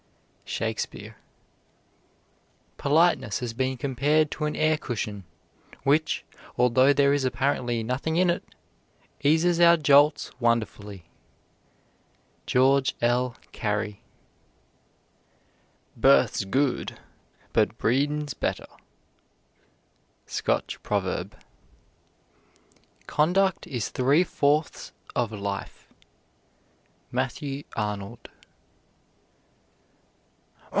SHAKESPEARE. Politeness has been compared to an air cushion, which, although there is apparently nothing in it, eases our jolts wonderfully. GEORGE L. CAREY. Birth's gude, but breedin's better. SCOTCH PROVERB. Conduct is three fourths of life. MATTHEW ARNOLD.